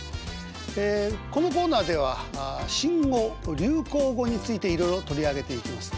ええこのコーナーでは新語流行語についていろいろ取り上げていきます。